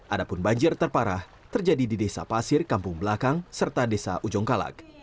adapun banjir terparah terjadi di desa pasir kampung belakang serta desa ujongkalak